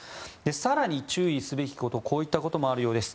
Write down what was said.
更に注意すべきことこういったこともあるようです。